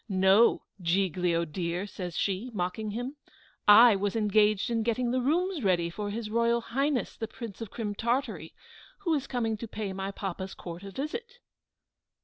No, Giglio dear," says she, mocking him. "I was engaged in getting the rooms ready for his Royal Highness the Prince of Crim Tartary, who is coming to pay my papa's court a visit."